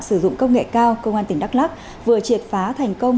sử dụng công nghệ cao công an tỉnh đắk lắc vừa triệt phá thành công